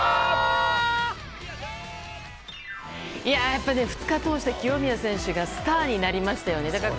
やっぱり２日通して清宮選手がスターになりましたね。